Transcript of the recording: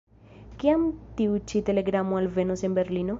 Kiam tiu ĉi telegramo alvenos en Berlino?